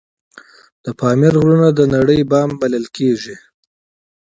د پامیر غرونه د نړۍ بام بلل کیږي